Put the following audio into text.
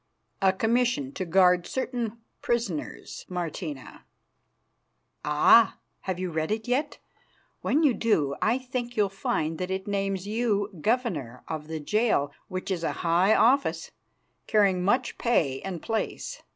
"A commission to guard certain prisoners, Martina." "Ah! Have you read it yet? When you do, I think you'll find that it names you Governor of the jail, which is a high office, carrying much pay and place.